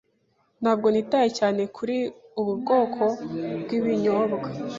Ntabwo nitaye cyane kuri ubu bwoko bwibinyobwa.